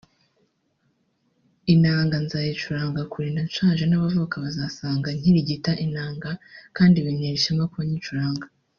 “Inanga nzayicuranga kurinda nshaje n’abazavuka bazasanga nkirigita inanga kandi bintera ishema kuba nyicuranga